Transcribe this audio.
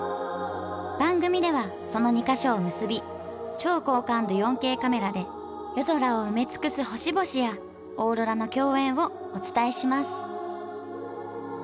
番組ではその２か所を結び超高感度４Ｋカメラで夜空を埋め尽くす星々やオーロラの饗宴をお伝えします